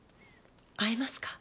会えますか？